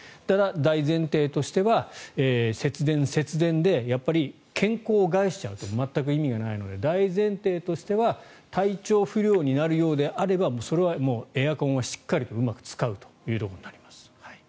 大前提としては節電でやっぱり健康を害しちゃうと全く意味がないので大前提としては体調不良になるようであればそれはエアコンはしっかりうまく使うというところになります。